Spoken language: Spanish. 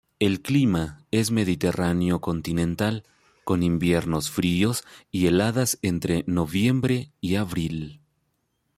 El clima es mediterráneo continental, con inviernos fríos y heladas entre noviembre y abril.